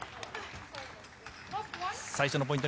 最初のポイント